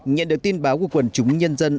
nhận được tin báo của quần chúng nhân dân